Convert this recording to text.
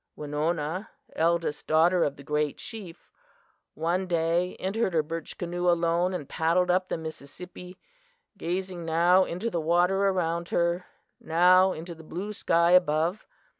Winona, eldest daughter of the great chief, one day entered her birch canoe alone and paddled up the Mississippi, gazing now into the water around her, now into the blue sky above.